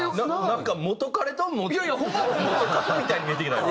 なんか元カレと元カノみたいに見えてきたよ。